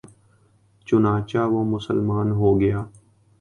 چنانچہ وہ مسلمان ہو گیا